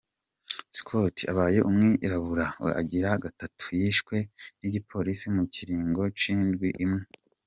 Scott abaye umwirabure agira gatatu yishwe n’igipolisi mu kiringo c’indwi imwe.